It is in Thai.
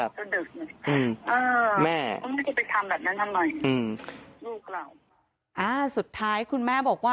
เพื่อทำอย่างนั้นน่ะ